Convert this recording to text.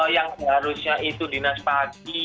yang seharusnya itu dinas pagi